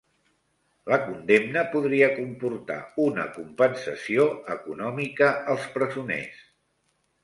La condemna podria comportar una compensació econòmica als presoners